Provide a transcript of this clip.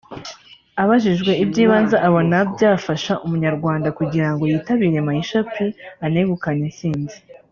Abajijwe ibyibanze abona byafasha umunyarwanda kugirango yitabire Maisha plus anegukane itsinzi